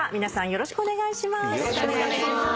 よろしくお願いします。